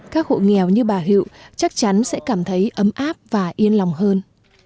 các hộ nghèo như bà hiệu chắc chắn sẽ cảm thấy ấm áp và yên lòng hơn